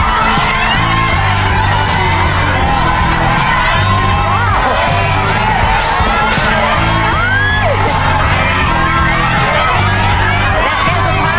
เหนื่อยไหม